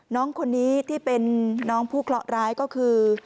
น้องคนนี้ที่เป็นน้องผู้เคราะห์ร้ายก็คือ